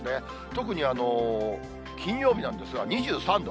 特に金曜日なんですが、２３度。